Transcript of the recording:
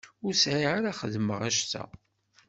Ur sεiɣ ara xedmeɣ assa.